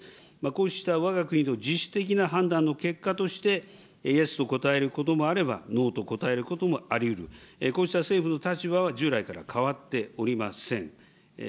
こうしたわが国の自主的な判断の結果として、イエスと答えることもあれば、ノーと答えることもありうる、こうした政府の立場は従来から変わっておりません。